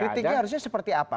kritiknya harusnya seperti apa